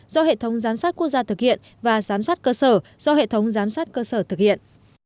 do hệ thống giám sát quốc gia thực hiện và giám sát cơ sở do hệ thống giám sát cơ sở thực hiện